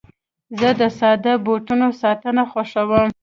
زه د ساده بوټو ساتنه خوښوم.